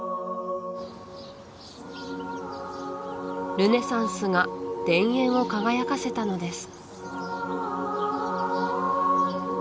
ルネサンスが田園を輝かせたのです